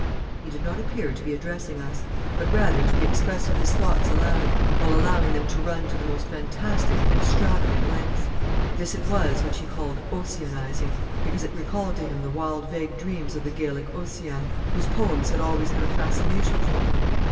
He did not appear to be addressing us, but rather to be expressing his thoughts aloud, while allowing them to run to the most fantastic and extravagant lengths. This it was which he called Ossianising, because it recalled to him the wild vague dreams of the Gaelic Ossian, whose poems had always had a fascination for him.